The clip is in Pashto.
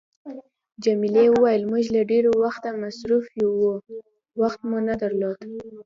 جميلې وويل: موږ له ډېره وخته مصروفه وو، وخت مو نه درلود.